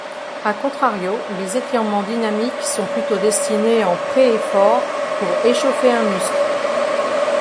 À contrario, les étirements dynamiques sont plutôt destinés en pré-efforts, pour échauffer un muscle.